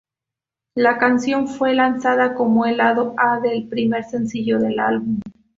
La canción fue lanzada como el lado A del primer sencillo del álbum.